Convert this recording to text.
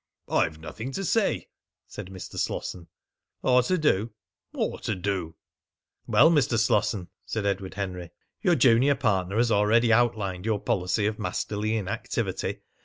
"I've nothing to say," said Mr. Slosson. "Or to do?" "Or to do." "Well, Mr. Slosson," said Edward Henry, "your junior partner has already outlined your policy of masterly inactivity.